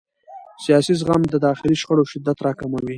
سیاسي زغم د داخلي شخړو شدت راکموي